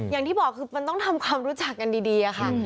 อย่างที่บอกคือมันต้องทำความรู้จักกันดีอะค่ะ